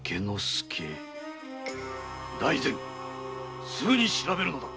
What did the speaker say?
大膳すぐに調べるのだ。